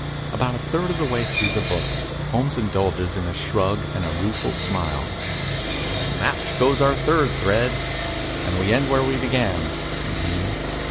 About a third of the way through the book, Holmes indulges in a shrug and a rueful smile. "Snap goes our third thread, and we end where we began," said he.